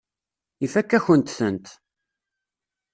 Ifakk-akent-tent.